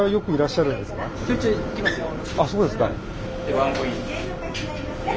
あっそうですか。